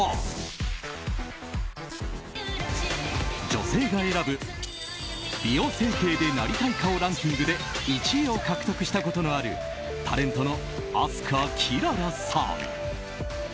女性が選ぶ、美容整形でなりたい顔ランキングで１位を獲得したことのあるタレントの明日花キララさん。